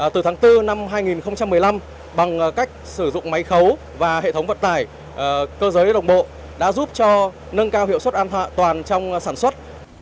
từ tháng bốn năm hai nghìn một mươi năm bằng cách sử dụng máy khấu và hệ thống vận tải cơ giới đồng bộ đã giúp cho nâng cao hiệu suất an toàn trong sản xuất